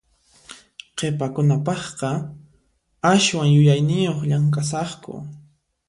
Qhipakunapaqqa aswan yuyayniyuq llamk'asaqku.